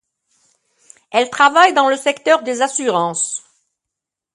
Elle travaille dans le secteur des assurances.